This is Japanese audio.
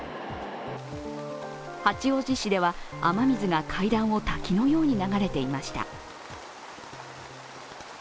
八王子市では雨水が階段を滝のように流れていました。